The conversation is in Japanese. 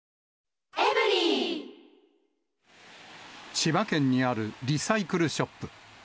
千葉県にあるリサイクルショップ。